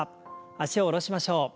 脚を下ろしましょう。